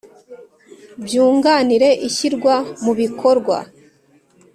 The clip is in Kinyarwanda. Byunganire ishyirwa mu bikorwa